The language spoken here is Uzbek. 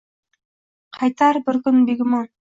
Qaytar bir kun, begumon.